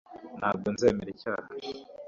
ntabwo nzemera icyaha